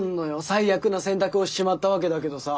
最悪の選択をしちまったわけだけどさ。